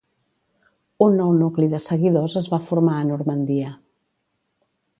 Un nou nucli de seguidors es va formar a Normandia.